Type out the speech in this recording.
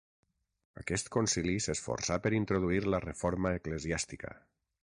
Aquest Concili s'esforçà per introduir la reforma eclesiàstica.